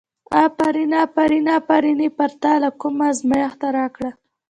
افرین افرین، افرین یې پرته له کوم ازمېښته راکړه.